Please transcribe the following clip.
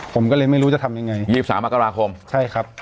ผมก็เลยไม่รู้จะทำยังไง๒๓มกราคมใช่ครับ